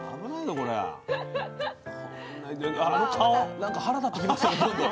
なんか腹立ってきますよ